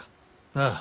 ああ。